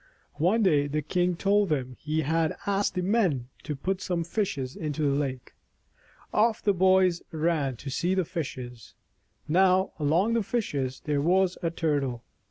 One day the king told them he had asked the men to put some fishes into the lake. Off the boys ran to see the fishes. Now, along with the fishes, there was a Turtle.